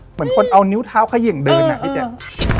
เหมือนคนเอานิ้วเท้าเขย่งเดินอ่ะพี่แจ๊ค